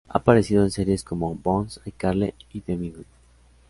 Ha aparecido en series como "Bones", "iCarly" y "The Middle".